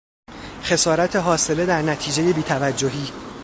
خسارت حاصله در نتیجهی بی توجهی